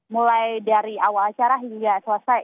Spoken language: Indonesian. mulai dari awal acara hingga selesai